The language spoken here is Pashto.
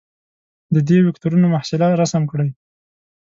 د دې وکتورونو محصله رسم کړئ.